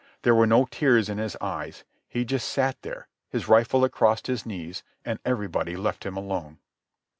There were no tears in his eyes. He just sat there, his rifle across his knees, and everybody left him alone.